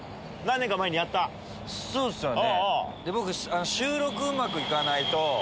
そうっすよね。